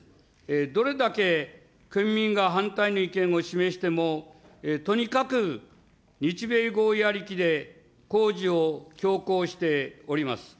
どれだけ県民が反対の意見を示しても、とにかく日米合意ありきで工事を強行しております。